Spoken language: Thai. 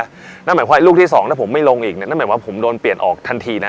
นั่นหมายความลูกที่๒ถ้าผมไม่ลงอีกนั่นหมายว่าผมโดนเปลี่ยนออกทันทีนะ